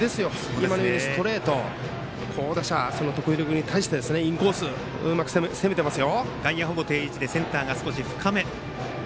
今のようにストレート好打者、徳弘君に対してインコース、うまく攻めてます。